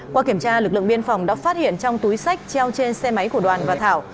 qua kiểm tra lực lượng biên phòng đã phát hiện trong túi sách treo trên xe máy của đoàn và thảo